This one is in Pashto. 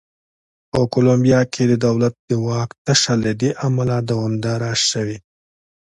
په کولمبیا کې د دولت د واک تشه له دې امله دوامداره شوې.